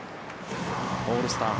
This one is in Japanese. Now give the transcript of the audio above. オールスター